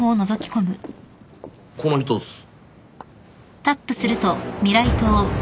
この人っす。